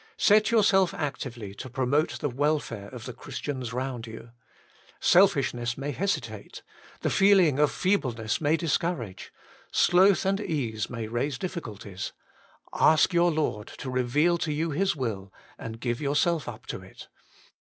Set yourself actively to promote the welfare of the Christians round you. Selfishness may hesitate, the feeling of feebleness may discourage, sloth and ease may raise difficulties — ask your Lord to reveal to you His will, and give yourself up to it.